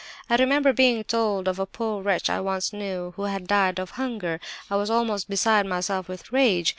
I remember being told of a poor wretch I once knew, who had died of hunger. I was almost beside myself with rage!